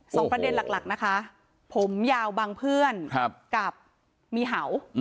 สองประเด็นหลักนะคะผมยาวบางเพื่อนกับมีเห่า